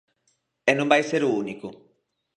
E non vai ser o único.